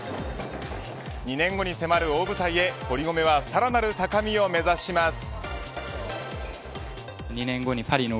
２年後に迫る大舞台へ堀米はさらなる高みを目指します。